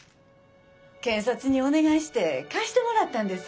検察にお願いして返してもらったんです。